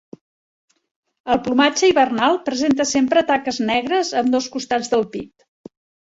El plomatge hivernal presenta sempre taques negres a ambdós costats del pit.